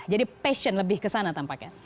jadi passion lebih ke sana tampaknya